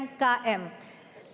silakan diambil dulu